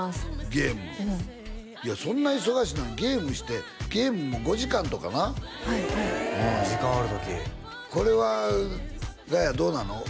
ゲームいやそんな忙しいのにゲームしてゲームも５時間とかなはいはい時間ある時これはガヤどうなの？